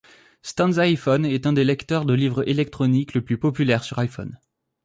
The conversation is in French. Stanza iPhone est un des lecteurs de livres électronique le plus populaire sur iPhone.